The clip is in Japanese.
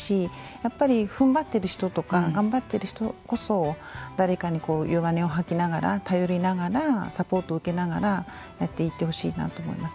やっぱりふんばってる人とか頑張っている人こそ誰かに弱音を吐きながら頼りながらサポートを受けながらやっていってほしいなと思います。